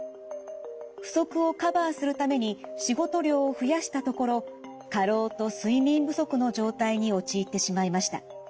不足をカバーするために仕事量を増やしたところ過労と睡眠不足の状態に陥ってしまいました。